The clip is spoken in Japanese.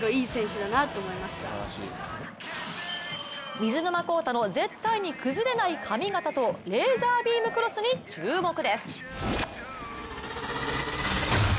水沼宏太の絶対に崩れない髪形と、レーザービームクロスに注目です。